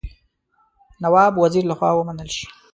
نواب وزیر له خوا ومنل شي.